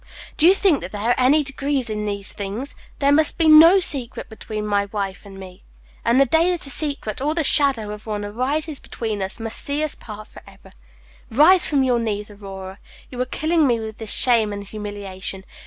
Do you think there are any degrees in these things? There must be no secret between my wife and me; and the day that a secret, or the shadow of one, arises between us, must see us part for ever. Rise from your knees, Aurora; you are killing me with this shame and humiliation.